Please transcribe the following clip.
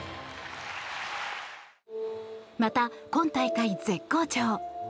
また、今大会絶好調